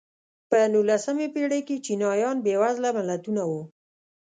په نولسمې پېړۍ کې چینایان بېوزله ملتونه وو.